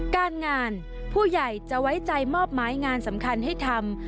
การงานผู้ใหญ่จะไว้ใจมอบหมายงานสำคัญให้ทำ